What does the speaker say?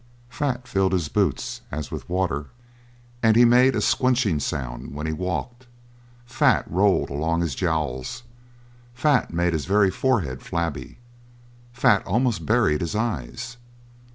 Fat filled his boots as with water and he made a "squnching" sound when he walked; fat rolled along his jowls; fat made his very forehead flabby; fat almost buried his eyes.